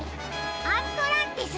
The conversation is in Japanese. アントランティスです。